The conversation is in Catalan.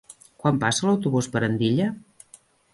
Quan passa l'autobús per Andilla?